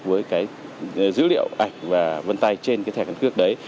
với cái dữ liệu ảnh và vân tay trên cái thẻ căn cước đấy